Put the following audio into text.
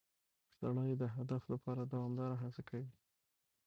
سړی د هدف لپاره دوامداره هڅه کوي